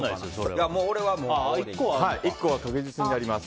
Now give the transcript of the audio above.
１個は確実にあります。